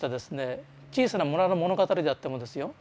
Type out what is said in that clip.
小さな村の物語であってもですよ